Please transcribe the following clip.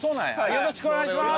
よろしくお願いします。